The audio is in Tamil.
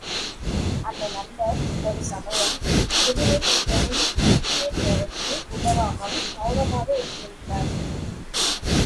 அந்த நண்பர் ஒரு சமயம் புதுமைப்பித்தனின் முக்கிய தேவைக்கு உதவாமல் மெளனமாக இருந்து விட்டார்.